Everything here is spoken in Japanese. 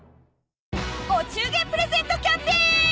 お中元プレゼントキャンペーン